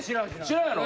知らんやろ？